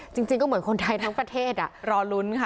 จริงก็เหมือนคนไทยทั้งประเทศรอลุ้นค่ะ